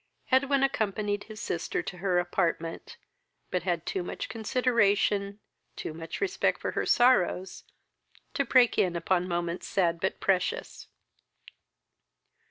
Edwin accompanied his sister to her apartment, but had too much consideration, too much respect for her sorrows, to break in upon moments sad but precious.